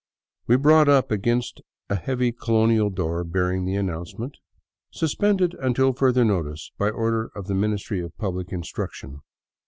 We brought up against a heavy colonial door bearing the announcement: "Suspended until further notice, by order of the Ministry of Public Instruction.'